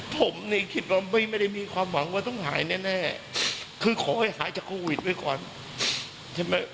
ผมนี่คิดว่าไม่ได้มีความหวังว่าต้องหายแน่คือขอให้หายจากโควิดไว้ก่อนใช่ไหม